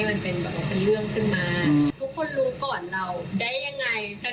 มันเป็นแบบว่าคุยกันแล้ว